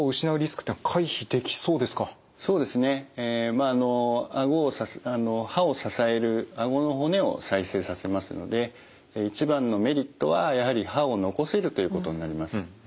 まああの歯を支えるあごの骨を再生させますので一番のメリットはやはり歯を残せるということになります。